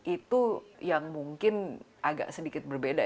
itu yang mungkin agak sedikit berbeda